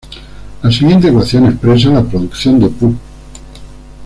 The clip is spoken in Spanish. La siguiente ecuación expresa la producción de Pu.